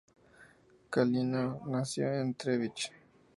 Kalina nació en Třebíč.